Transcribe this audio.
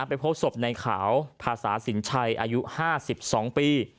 ไปพบศพในขาวภาษาสินชัยอายุ๕๒ปี